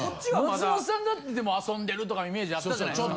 松本さんだってでも遊んでるとかイメージあったじゃないですか。